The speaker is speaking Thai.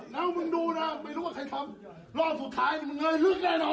แล้วมึงดูนะไม่รู้ว่าใครทำรอบสุดท้ายนี่มึงเลยลึกแน่นอน